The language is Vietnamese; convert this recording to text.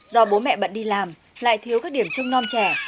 do bố mẹ bận đi làm lại thiếu các điểm trung non trẻ